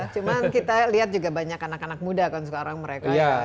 cuma kita lihat juga banyak anak anak muda kan sekarang mereka